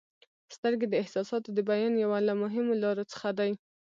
• سترګې د احساساتو د بیان یوه له مهمو لارو څخه دي.